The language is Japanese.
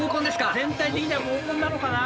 全体的にはモーコンなのかな。